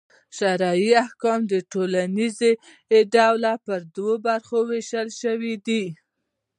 شرعي احکام په ټوليز ډول پر دوو برخو وېشل سوي دي.